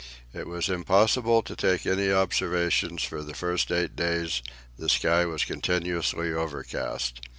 It was impossible to take any observations for the first eight days, the sky was continuously overcast.